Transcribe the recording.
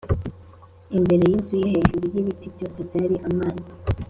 imbere y’inzu ye hejuru y’ibiti byose byari amazi